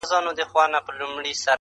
چي کله به کړي بنده کورونا په کرنتین کي؛